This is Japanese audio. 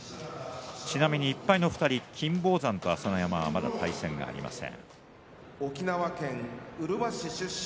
ちなみに１敗の２人金峰山と朝乃山はまだ対戦がありません。